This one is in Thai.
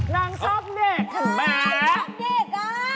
นางชอบเด็ก